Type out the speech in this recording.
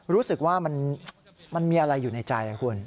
รู้สึกว่ามันมีอะไรอยู่ในใจคุณ